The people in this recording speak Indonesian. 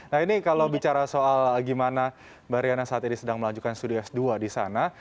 nah ini kalau bicara soal gimana mbak riana saat ini sedang melanjutkan studi s dua di sana